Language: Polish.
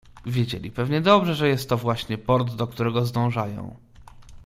"Wiedzieli pewnie dobrze, że jest to właśnie port, do którego zdążają."